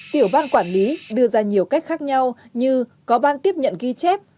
tiểu ban quản lý đưa ra nhiều cách khác nhau như có ban tiếp nhận ghi chép